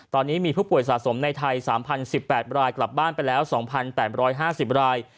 ตอนนี้มีผู้ป่วยสะสมในไทย๓๐๑๘รายกลับบ้านไปแล้ว๒๘๕๐ราย